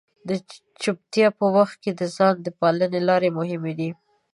د چپتیا په وخت کې د ځان د پالنې لارې مهمې دي.